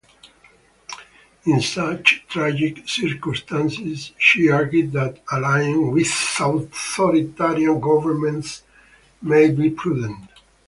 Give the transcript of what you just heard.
In such tragic circumstances, she argued that allying with authoritarian governments might be prudent.